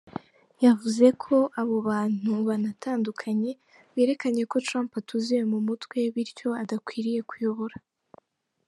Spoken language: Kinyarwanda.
Yavuze ko abo bantu banatandukanye berekanye ko Trump atuzuye mu mutwe bityo adakwiriye kuyobora.